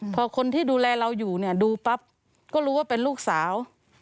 พอคนที่ดูแลเราอยู่เนี่ยดูปั๊บก็รู้ว่าเป็นลูกสาว